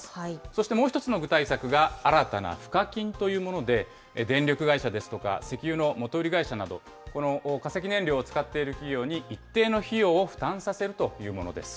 そしてもう１つの具体策が新たな賦課金というもので、電力会社ですとか石油の元売り会社など、この化石燃料を使っている企業に一定の費用を負担させるというものです。